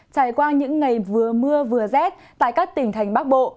trải qua những ngày vừa mưa vừa rét tại các tỉnh thành bắc bộ